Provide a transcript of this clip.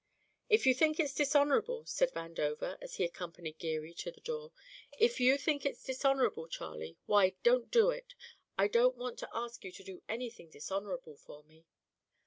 "If you think it's dishonourable," said Vandover as he accompanied Geary to the door, "if you think it's dishonourable, Charlie, why, don't do it! I don't want to ask you to do anything dishonourable for me."